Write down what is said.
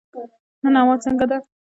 نن هوا څنګه ده؟